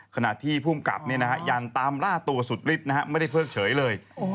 ขณะที่ภูมิกับยันตามล่าตัวสุดฤทธิ์ไม่ได้เพิ่งเฉยเลย